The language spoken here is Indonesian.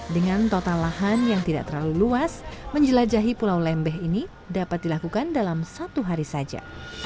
dengan total lahan yang tidak terlalu luas menjelajahi pulau lembeh ini dapat dilakukan dalam satu hari saja